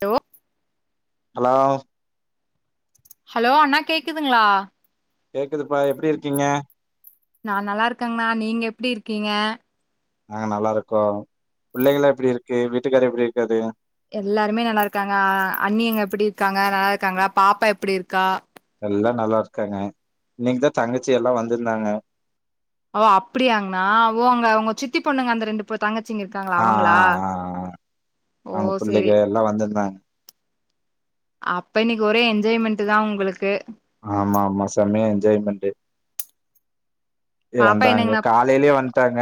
hello hello hello அண்ணா கேக்குதுங்களா கேக்குதுப்பா எப்டி இருக்கீங்க நான் நல்லா இருக்கேங்களா நீங்க எப்டி இருக்கீங்க நாங்க நல்லா இருக்கோம் பிள்ளைகள்லா எப்டி இருக்கு வீட்டுக்கார எப்டி இருக்காரு எல்லாருமே நல்லா இருக்காங்க அண்ணி அங்க எப்டி இருக்காங்க நல்லா இருக்காங்கள பாப்பா எப்டி இருக்கா எல்லா நல்லாருக்காங்க இன்னைக்குதான் தங்கச்சி எல்லாம் வந்திருந்தாங்க ஓ அப்டியாங்கண்ணா ஓங்க உங்க சித்தி பொண்ணுங்க அந்த ரெண்டு இப்ப தங்கச்சிங்க இருக்காங்களா ஆ அவங்களா ஆ ஆ ஆ ஓ அவங்க செரி புள்ளைக எல்லா வந்திருந்தாங்க அப்ப இன்னைக்கு ஒரே என்ஜாய்மெண்ட் தான் உங்களுக்கு ஆமா ஆமா செமையா என்ஜாய்மென்ட் இ பாப்பா வந்தாங்க என்னங்கண்ணா காலையிலயே வந்துட்டாங்க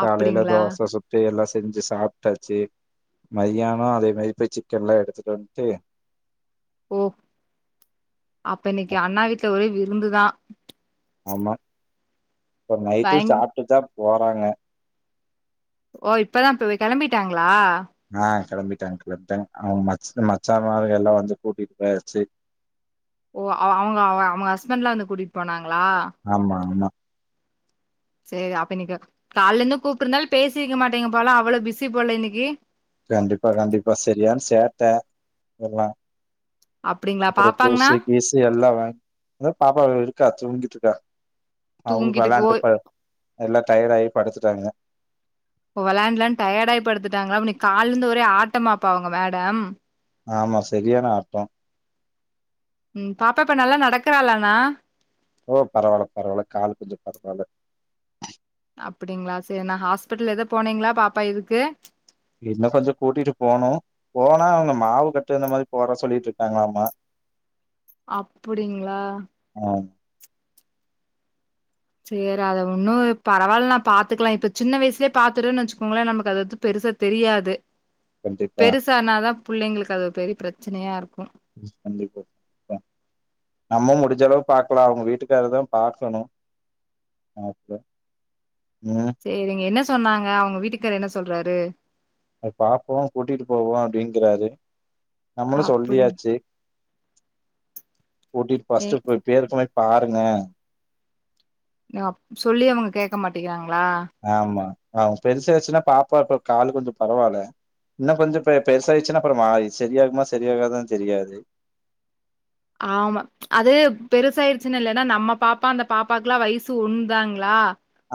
காலைல அப்டிங்களா தோசை சுட்டு டு எல்லா செஞ்சு சாப்ட்டாச்சு மதியானம் அதே மாரி சிக்கன்ல்லா எடுத்துட்டு வந்துட்டு ஓ அப்ப இன்னைக்கு அண்ணா வீட்ல ஒரே விருந்துதான் ஆமா இ நைட்டும் பயங் சாப்பிட்டு தான் போறாங்க ஓ இப்பதான் இப்ப கெளம்பிட்டாங்களா ஆ கெளம்பிட்டாங்க கெளம்பிட்டாங்க அவங்க ம மச்சம எல்லாம் வந்து கூட்டிட்டு போயாச்சு ஓ அவங்க அவங்க ஹஸ்பண்ட்ல வந்து கூட்டிட்டு போனாங்களா ஆமா ஆமா செரி அப்ப இன்னைக்கு கால இருந்து கூப்பிட்டுருந்தாலும் பேசிருக்க மாட்டேங்க போலா அவ்ளோ பிஸி போல இன்னைக்கு கண்டிப்பா கண்டிப்பா சரியான சேட்ட எல்லாம் அப்டிங்களா அப்றோ ஜூஸ் பாப்பாங்கன்னா கிஸ் எல்லாம் பாப்பாவ இருக்கா தூங்கிட்டு இருக்கா அவ தூங்கிட்டு விளாண்டுப்ப எல்ல டயர்ட் ஆயி படுத்துட்டாங்க ஓ வெளாண்டுலாம் டயர்டாயி படுத்துட்டாங்களா அப்பா காலேந்து ஒரே ஆட்ட மாப்பா உங்க மேடம் ஆமா சரியான ஆட்டோ ம் பாப்ப இப்ப நல்லா நடக்கறலண்ணா ஓ பரவாயில்ல பரவாயில்ல கால் கொஞ்சம் பரவாயில்ல அப்டிங்களா செரி நா ஹாஸ்பிட்டல் எதோ போனீங்களா பாப்பா இதுக்கு இன்னு கொஞ்சம் கூட்டிட்டு போணும் போனா அவுங்க மாவு கட்டு இந்த மாரி போட சொல்லிட்டு இருக்காங்களாமமாம் அப்டிங்ளா ம் செரி அத ஒன்னும் பரவாயில்லணா பாத்துக்கலாம் இப்ப சின்ன வயசுலயே பாத்துட்டுன்னு வச்சுக்கோங்களேன் நமக்கு அது வ பெருச தெரியாது கண்டிப்பா பெருசானா தா புள்ளைங்களுக்கு அது பெரிய பிரச்சனையா இருக்கும் கண்டிப்பா அ நம்ம முடிஞ்ச அளவு பாக்கலாம் அவுங்க வீட்டுக்காரரு தா பாக்கணும் ஓகே ம் செரிங்க என்ன சொன்னாங்க அவங்க வீட்டுக்காரரு என்ன சொல்றாரு பாப்போம் கூட்டிட்டு போவோம் அப்டிங்கறாரு நம்மளும் அப்டி சொல்லியாச்சு கூட்டிட்டு ஏ ஃபஸ்ட்டு பேருக்குனே பாருங்க அப்டி செல்லி அவுங்க கேக்க மாட்டேங்கிறாங்களா ஆமா அவங்க பெருச ஆச்சுன்னா பாப்பா இப்ப காலு கொஞ்சம் பரவாயில்ல இன்னும் கொஞ்சம் பெ பெருச ஆயிடுச்சுன்னா அப்றோம்மா செரி ஆகுமா செரி ஆகாதான்னு தெரியாது ஆமா அது பெருசாயிடுச்சு இல்லன்னா நம்ம பாப்பா அந்த பாப்பாக்கு எல்லா வயசு ஒன்னு தாங்ளா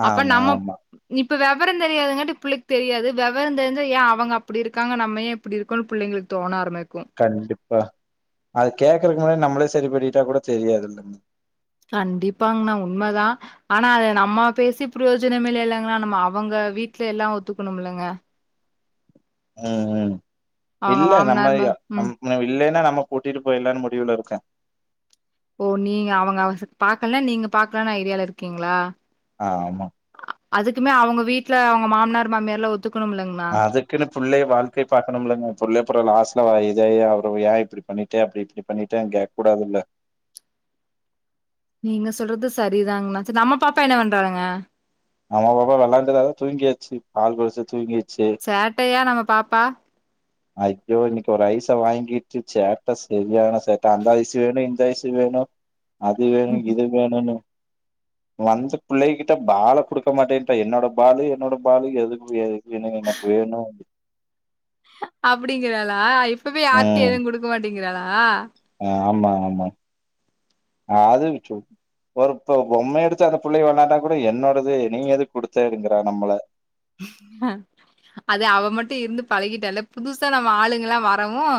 அப்ப ஆமா நம்ம ஆமா இப்ப வெவரம் தெரியாதுங்கட்டு புள்ளக்கு தெரியாது வெவரம் தெரிஞ்சா ஏ அவுங்க அப்டி இருக்காங்க நம்ம ஏ இப்டி இருக்கோன்னு புள்ளைங்களுக்கு தோண ஆரம்பிக்கும் கண்டிப்பா அது கேக்குறக்கு முன்ன நம்மளே செரி பண்ணிட்டா கூட தெரியாது கண்டிப்பாங்கண்ணா உண்மதா ஆனா அத நம்ம பேசி பிரயோஜனம் இல்லங்களா நம்ம அவுங்க வீட்ல எல்லா ஒத்துக்கணும்ல்ங்க ம் ம் அவங்க இல்ல நம்ம மாமனார் மா ம் நம் இல்லன்னா நம்ம கூட்டிட்டு போய்லான்னு முடிவுல இருக்கன் ஓ நீங்க அவுங்க பாக்கலனா நீங்க பாக்லானு ஐடியால இருக்கீங்ளா ஆமா அதுக்குமே அவுங்க வீட்ல அவுங்க மாமனார் மாமியார்லா ஒத்துக்கணுமுலங்க அதுக் க்குன்னு புள்ளை வாழ்க்கை பாக்கணுலங்க புள்ள அப்றோ லாஸ்ட்ல இதாயி அவரு ஏ இப்டி பண்ணிட்டு அப்டி இப்டி பண்ணிட்டேனு கேக் கூடாதுல்ல நீங்க சொல்றது செரிதாங்ணா ச நம்ம பாப்பா என்ன பண்றாளுங்க நம்மா பாப்பா விளாண்டுரதா அதா தூங்கிச்சு பால் குடிச்சு தூங்கிச்சு சேட்டையா நம்ம பாப்பா ஐயோ இன்னிக்கு ஒரு ஐசை வாங்கிட்டு சேட்ட சரியான சேட்டா அந்த ஐசு வேணு இந்த ஐசு வேணு அது வேணு இது வேணுன்னு வந்த புள்ளைகிட்ட பால குடுக்க மாட்டேன்றா என்னோட பாலு என்னோட பாலு எது வே ணும் எனக்கு வேணு அப்டிங்கிறாளா இப்பவே யார்ட்டியு ம் எதும் குடுக்க மாட்டேங்கிறாளா ஆமா ஆமா அது சு ஒருத்தோ பொம்மைய எடுத்து அந்த புள்ளய வெளையாண்டா கூட என்னோடது நீ எது குடுத்தடுங்கறா நம்மள ஆ அது அவ மட்டு இருந்து பழகிட்டால்ல புதுசா நம்ம ஆளுங்கல்லா வரவும்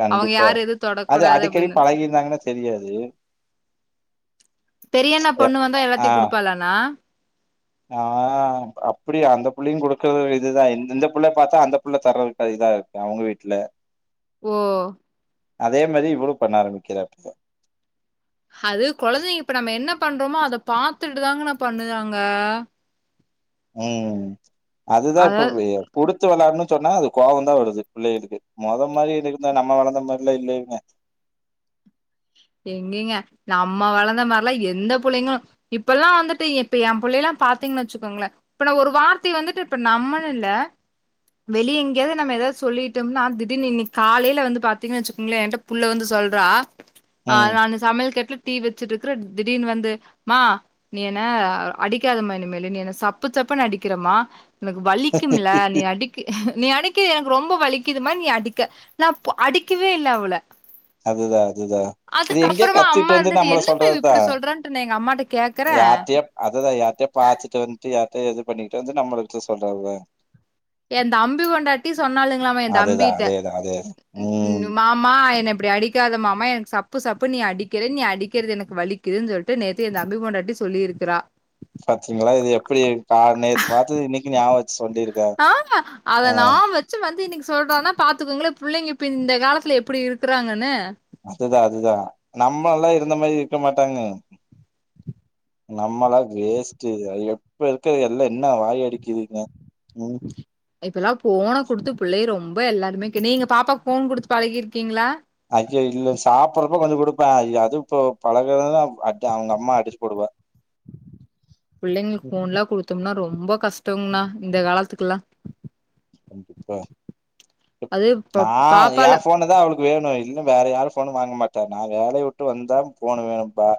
கண்டிப்பா அது அடிக்கடி பழகிருந்தாங்கன்னா தெரியாது பெரியண்ணா எப் பொண்ணு வந்தா எல்லாத்தயு குடுப்பாளாண்ணா அ அப்டி அந்த புள்ளையு குடுக்குறது இதுதா இந்த புள்ள பாத்தா அந்த புள்ள தரதுக்கு இதா இருக் அவுங்க வீட்ல ஓ அதே மாரி இவளு பண்ண ஆரம்பிக்றா இப்போ அது கொழந்தைங்க இப்ப நம்ம என்ன பண்றோமோ அத பாத்துட்டு தாங்கணா பண்ணுதாங்க ம் அதுதா இப்ப அதாவது குடுத்து வெளாடுனு சொன்னா அது கோவந்தா வருது பிள்ளைகளுக்கு மொதமாரி இருக்குந்த நம்ம வளந்த மாரிலா இல்ல இவுங்க எங்கிங்க நம்ம வளந்த மாரிலா எந்த புள்ளைங்களு இப்பெல்லா வந்துட்டு இப்ப ஏ புள்ளையெல்லா பாத்திங் வச்சுக்கோங்ளே இப்ப நா ஒரு வார்த்தய வந்துட்டு இப்ப நம்மன்னு இல்ல வெளிய எங்கயாது நம்ம ஏதாது சொல்லிட்டோம்னா திடீர்னு இன்னிக்கி காலைல வந்து பாத்திங்கன்னு வச்சுக்கோங்ளே என்ட்ட புள்ள வந்து சொல்றா அ ம் நானு சமையல் கட்ல டீ வச்சுட்ருக்குற திடீர்னு வந்து மா நீ என்னஅடிக்காதமா இனிமேலு நீ என்ன சப்பு சப்புன்னு அடிக்கிறமா எனக்கு வலிக்கும்ல நீ அடி நீ அடிக்கது எனக்கு ரொம்ப வலிக்குது மா நீ அடிக்க நா அடிக்கவே இல்ல அவள அதுதா அதுதா இது எங்கயோ அதுக்கப்புறமா கத்துட் அம்மா வந்து இருந்துட்டு நம்ள என்னம்மா இவ சொல்றத்தா இப்டி சொல்றான்ட்டு நா எங்க அம்மாட்ட கேக்குறே யார்ட்டியோ அததா யார்ட்டியோ பாத்துட்டு வன்ட்டு யார்ட்டியோ இது பண்ணிட்டு வந்து நம்மள்ட்ட சொல்றதுதா எ தம்பி பொண்டாட்டி சொன்னாளுங்ளாமா எ அதுதா தம்பிட்ட அதேதா அதேதா ம் மா மா என்ன இப்டி அடிக்காத மாமா எனக்கு சப்பு சப்பு நீ அடிக்கிற நீ அடிக்கிறது எனக்கு வலி க்குதுன்னு சொல்ட்டு நேத்து எ தம்பி பொண்டாட்டி சொல்லியிருக்குறா பாத்திங்களா இது எப்டி க நேத்து பாத்தது இன்னைக்கு ஞாபகோ வச்சி சொல்லிருக் ஆமா அத நியாபகோ வ ச்சி வந்து இன்னைக்கு சொல்றான்ன்னா பாத்துக்கோங்ளே புள்ளைங்க இப்ப இந்த காலத்துல எப்டி இருக்குறாங்கன்னு அதுதா அதுதா நம்ம எல்லா இருந்த மாதிரி இருக்க மாட்டாங்க நம்மளா வேஸ்ட்டு எப்ப இருக்குறது எல்லா என்ன வாய் அடிக்குதுங்க ம் இப்பல்லா போன குடுத்து புள்ளைக ரொம்ப எல்லாருமே கே நீங்க பாப்பாக்கு போன் குடுத்து பழகியிருக்கீங்ளா அய்யோ இல்ல சாப்புட்றப்ப கொஞ்சோ குடுப்பே அது இப்போ பழகுனா அது அவுங்க அம்மா அடிச்சு புடுவா புள்ளைங்ளுக்கு போன்ல்லா குடுத்தோம்னா ரொம்ப கஷ்டோங்னா இந்த காலத்துக்குல்லா கண்டிப்பா அது நா இப்ப எ பாப்பால போனதா அவளுக் வேணு இல்லன்ன வேற யாரு போனு வாங்க மாட்ட நா வேலைய விட்டு வந்தா போன் வேணும்பா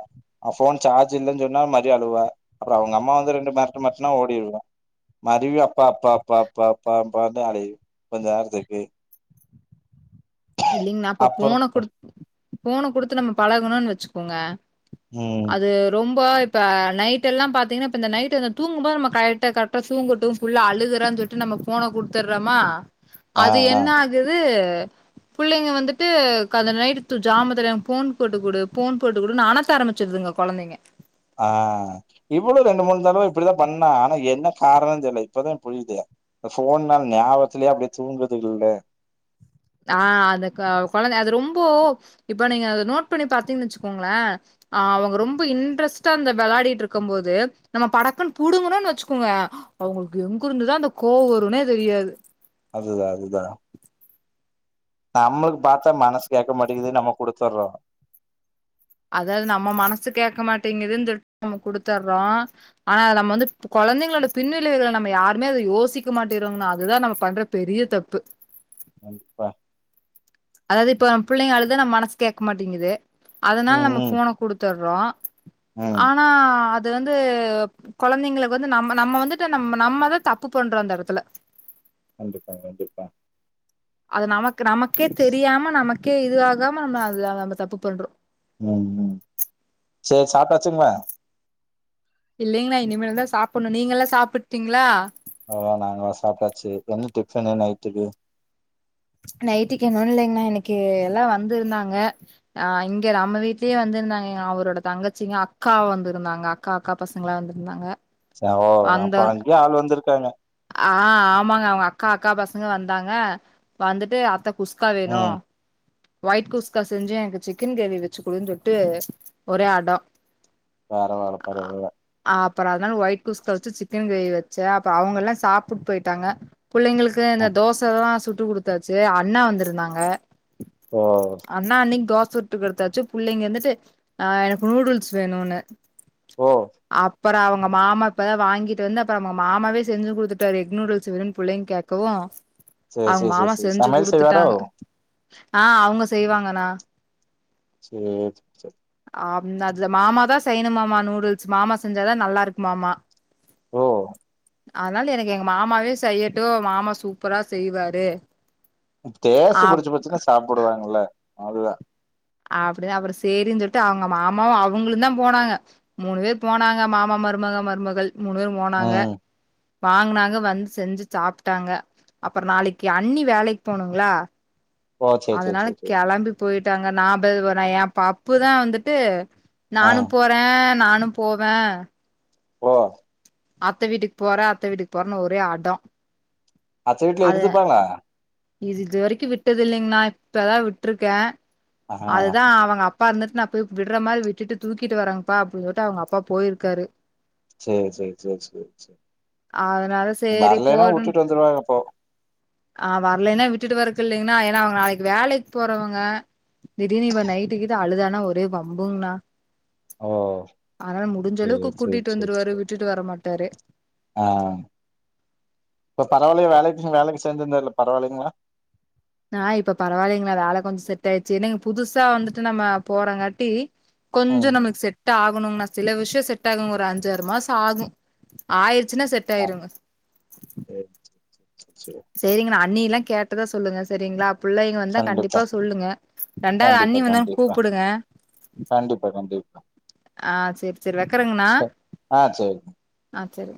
அ போன் சார்ஜ் இல்லன்னு சொன்னா மாரி அலுவா அம்மா வந்து ரெண்டு மெரட்டு மெரட்னா ஓடிடுவ மருவி அப்பா அப்பா அப்பா அப்பா அப்பா அப்பாந்தா அழையு கொஞ்சநேரத்துக்கு செ இல்லிங்ண்ணா அப்ப அப்றோ போன குடு போன குடுத்து நம்ம பழகுணோன்னு வச்சுக்கோங்க ம் அது ரொம்ப இப் ப நைட் எல்லா பாத்திங்ன்னாஇப்ப நைட்டு இந்த தூக்கும்போது நம்ம கரைட் கரைட்டா தூக்கட்டு புல்ல அழுக்குற சொ ல்லிட்டு நம்ம போன குடுத்துற்றோமா ஆ அது ஆ என்ன ஆகுது புள்ளைங்க வந்துட்டு க அந்த நைட் தூ ஜாமத்துல போன் போட்டுகுடு போன் குடுன்னு அணத்த ஆரம்பிச்சுடுதுங்க கொழந்தைங்க ஆ இவளு ரெண்டு மூணு தடவ இப்டிதா பண்ணா ஆனா என்ன காரணோ தெரில இப்பதா புரிது போன் நாள் ஞாபகத்துலியே அப்டியே தூங்குதுக்குல்ல அ அது கொழந்தை அது ரொம்ப இப்ப நீங்க நோட் பண்ணி பாத்நிங்கன்னு வச்சுக்கோங்ளே அ அவுங்க ரொம்ப இன்ட்ரெஸ்டா அந்த வெளாடிட்டு இருக்கு போது நம்ம படக்கன்னு புடுங்குனோம்ன்னு வச்சுக்கோங்க அவங்களுக்கு எங்க இருந்துதா அந்த கோவ வரும்னே தெரியாது அதுதா அதுதா நம்மளுக்கு பாத்தா மனசு கேக்க மாட்டேங்குது நம்ம குடுத்துர்றோ அதாவது நம்ம மனசு கேக்க மாட்டேங்குதுன்னு சொல்ட்டு நம்ம குடுத்துறோ ஆனா அது நம் வந்து கொழந்தைகளோட பின்விளைவைகள நம்ம யாருமே அத யோசிக்க மாட்டேங்குறோன்னா அதுதா நம்ம பண்ற பெரிய தப்பு அப்ப அதாவது இப்ப நம்ம புள்ளைக அளுதா நம்மனசு கேக்க மாட்டேங்குது அதனால ம் நம்ம ம் போனை குடுத்துர்றோ ம் ஆனா அ து வந்து கொழந்தைங்களுக்கு வந்து நம்ம நம்ம வந்துட்டு நம்ம நம்மதா தப்பு பண்றோ அந்த எடத்துல கண்டிப்பா கண்டிப்பா அது நமக்கு நமக்கே தெரியாம நமக்கே இதுவாகாம நம்ம அது நம்ம தப்பு பண்றோ ம் ம் சரி சாப்டாச்சுங்களா இல்லைங்களா இனிமேல்தா சாப்பணு நீங்க எல்லா சாப்ட்டீங்களா ஓ நாங்களா சாப்ட்டாச்சு என்ன டிஃபன்னு நைட்டுக்கு நைட்டுக்கு என்னன்னுர்ல என்ன இல்ல இன்னைக்கு எல்லா வந்திருந்தாங்க ஆ இங்க நம்ம வீட்லயே வந்துருந்தாங்க அவரோட தங்கச்சிங்க அக்கா வந்திருந்தாங்க அக் காக்கா பசங்களா வந்திருந்தாங்க ச ஓ வந்த அப்ப அதுக்குள்ளே ஆள் வந்திருக்காங்க ஆ ஆமாங்க அவங்க அக்கா அக்கா பசங்க வந்தாங்க வந்துட்டு அத்த குஸ்கா வேணு ம் ஒயிட் குஸ்கா செஞ்சு எனக்கு சிக்கன் கிரேவி வச்சு குடுன்னு சொல்லிட்டு ஒரே அடோ வார வார பறவைகள ஆப்பற அதனால ஒயிட் குஸ்கா வச்சு சிக்கன் கிரேவி வச்சே அப்பற அவங்க எல்லா சாப்புட் போயிட்டாங்க புள்ளைங்களுக்கு அ அந்த தோச தா சுட்டு குடுத்தாச்சு அண்ண வந்திருந்தாங்க ஓ அண்ணா அண்ணிக்கு தோச சுட்டுக்குடுத்தாச்சு புள்ளைங்க வந்துட்டு ஆ எனக்கு நூடுல்ஸ் வேணுன்னு ஓ அப்புறம் அவங்க மாமா இப்பதா வாங்கிட்டு வந்து அப்பற அவங்க மாமாவே செஞ்சு குடுத் ட்டாரு எக் நூடுல்ஸ் வேணுனு புள்ளைங்க கேக்கவு சேரி அவங்க சேரி சேரி மாமா சேரி செஞ்சு சமையல் செய்வாரோ குடுத்துட்டாங்க ஆ அவங்க செய்வாங்கனா சேரி செ செ ஆம் அதுல மாமா தா செய்யணும் மாமா நூடுல்ஸ் மாமா செஞ்சாதா நல்லாருக்கும்மா மா ஓ அதனால எனக்கு எங்க மாமாவே செய்யட்டு மாமா சூப்பரா செய்வாரு டேஸ்ட்டு அப் புடிச்சு போச்சுன்னா சாப்டுவாங்கல்ல அதுதா அப்டி தா அப்பற சேரின்னு சொல்லிட்டு அவங்க மாமாவு அவங்களுந்தா போனாங்க மூணு பேர் போனாங்க மாமா மருமக மருமகள் மூணு பேரும் போனாங்க ம் வாங்கனாங்க வந்து செஞ்சு சாப்ட்டாங்க அப்பற நாளைக்கு அண்ணி வேலைக்கு போணுங்களா ஓ சேரி சேரி அதனால சேரி சேரி கெளம்பி போயிட்டாங்க நா பேது போன ஏ பப்புதா வந்துட்டு ஆ நானும் போ னே நானும் போவே ஓ அத்த வீட்டுக்கு போற அத்த வீட்டுக்கு போறேன்னு ஒரே அட அத்த வீட்ல அது இருந்துப்பாங்களா இது இது வரைக்கு விட்டது இல்லைங்கனா இப்பதா விட்ருக்கே ஆ அதுதா அவங்க அப் அப்பா இருந்துட்டு நா போய் விடுற மாரி விட்டுட்டு தூக்கிட்டு வரேங்கப்பா அப்டின்னு சொல்லிட்டு அவங்க அப்பா போயிருக்காரு சேரி சேரி சேரி சேரி சேரி அதனால சரி வரலேனா வுட்டுட்டு வந்துருவாரு அப்போ ஆ வரலேனா விட்டுட்டு வரக்கு இல்லைங்கன்னா ஏனா அவுங்க நாளைக்கி வேலைக்கு போறவுங்க திடீர்னு இவ நைட்டு கீட்டு அழுதானா ஒரே வம்புங்னா ஓ அதனால முடிஞ்ச சேரி அளவுக்கு சேரி கூட்டிட்டு சேரி வந்துருவாரு சேரி விட்டுட்டு வரமாட்டாரு ஆ இப்போ பரவால்லையா வேலைக்கு வேலைக்கு சேந்து இருந்தாருல பரவால்லைங்களா ஆ இப்ப பரவால்லலைங்களா வேல கொஞ்சோ செட் ஆயிருச்சு இன்னைக்கி புதுசா வந்துட்டு நம்ம போறங்காட்டி கொஞ்சோ ம் நம்மளுக்கு செட் செட் ஆகணுங்கனா சில விஷ்யோ செட் ஆகுங்க ஒரு அஞ்சாறு மாசோ ஆகு ஆயிருச்சுனா செட் ஆயிருங்க சேர் சேர் சேரிங்கனா அண்ணி எல்லா கேட்டதா சொல்லுங்க சேரிங்களா புள்ளைங்க வந்தா கண்டிப்பா சொல்லுங்க ரெண்டாவது கண்டிப்பா அண்ணி வந்தோன்ன கண்டிப்பா கூப்பிடுங்க கண்டிப்பா கண்டிப்பா ஆ சேரி சேரி வக்கிறேங்கன்னா ச ஆ சேரி ஆ சேரி